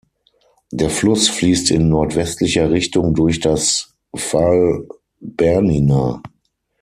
Der Fluss fliesst in nordwestlicher Richtung durch das Val Bernina.